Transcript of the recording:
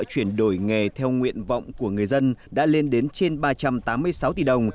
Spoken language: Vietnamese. chuyển đổi nghề theo nguyện vọng của người dân đã lên đến trên ba trăm tám mươi sáu tỷ đồng